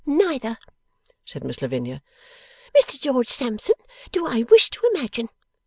Neither,' said Miss Lavinia, 'Mr George Sampson, do I wish to imagine.